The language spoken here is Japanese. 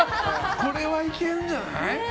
これはいけるんじゃない？